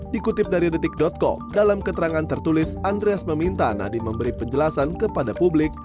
dikutip dari detik com dalam keterangan tertulis andreas meminta nadiem memberi penjelasan kepada publik